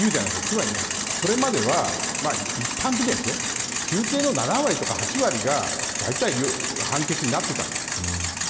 つまり、それまでは一般的には求刑の７割、８割がだいたい判決になっていたんです。